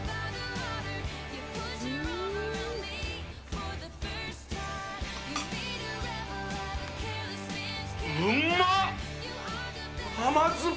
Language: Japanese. うまっ！